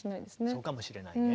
そうかもしれないね。